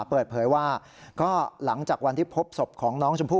เปิดเผยว่าก็หลังจากวันที่พบศพของน้องชมพู่